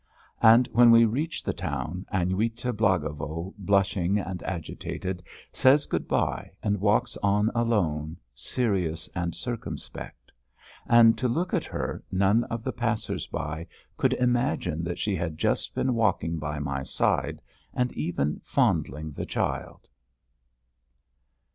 And when we reach the town, Aniuta Blagovo, blushing and agitated, says good bye, and walks on alone, serious and circumspect.... And, to look at her, none of the passers by could imagine that she had just been walking by my side and even fondling the child.